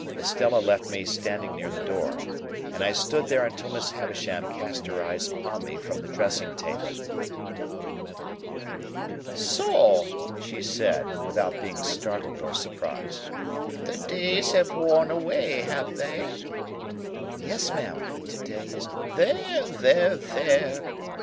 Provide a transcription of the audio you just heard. Estella left me standing near the door, and I stood there until Miss Havisham cast her eyes upon me from the dressing table. "So!" she said, without being startled or surprised: "the days have worn away, have they?" "Yes, ma'am. To day is—" "There, there, there!"